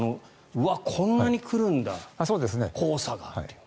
うわ、こんなに来るんだ黄砂がという。